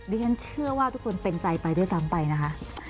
เรียนเชื่อว่าทุกคนเป็นใจไปด้วยซ้ำไปนะคะ